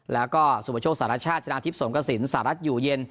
แล้วก็สุประโชคสารชาติชนะทิพย์สงกระสินสหรัฐอยู่เย็น